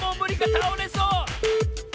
たおれそう！